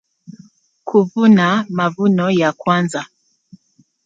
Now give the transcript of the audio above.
kuvuna mavuno ya kwanza,